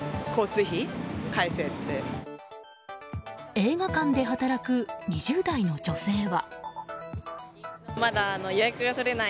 映画館で働く２０代の女性は。